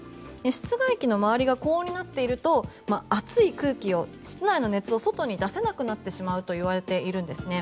室外機の周りが高温になっていると、熱い空気を室内の熱を外に出せなくなってしまうといわれているんですね。